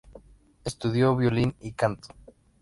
Estudió violín y canto.